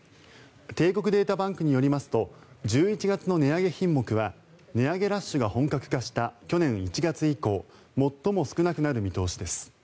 帝国データバンクによりますと１１月の値上げ品目は値上げラッシュが本格化した去年１月以降最も少なくなる見通しです。